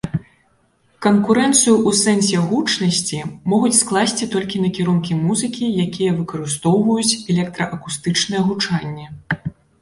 Канкурэнцыю ў сэнсе гучнасці могуць скласці толькі накірункі музыкі, якія выкарыстоўваюць электраакустычнае гучанне.